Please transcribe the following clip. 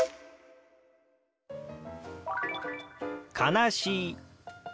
「悲しい」。